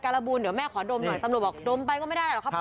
บูลเดี๋ยวแม่ขอดมหน่อยตำรวจบอกดมไปก็ไม่ได้หรอกครับ